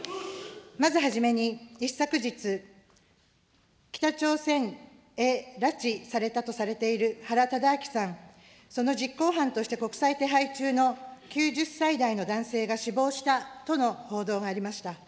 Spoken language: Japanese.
まずはじめに、一昨日、北朝鮮へ拉致されたとされている原敕晁さん、その実行犯として国際手配中の９０歳代の男性が死亡したとの報道がありました。